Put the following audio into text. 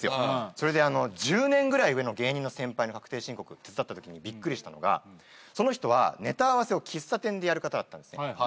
それで１０年ぐらい上の芸人の先輩の確定申告手伝ったときにびっくりしたのがその人はネタ合わせを喫茶店でやる方だったんですね。